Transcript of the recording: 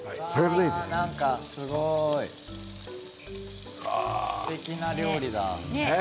なんか、すごいすてきな料理だ。